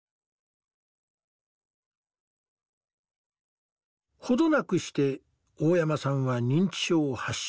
程なくして大山さんは認知症を発症した。